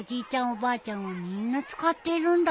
おばあちゃんはみんな使ってるんだね。